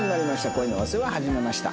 『恋のお世話始めました』。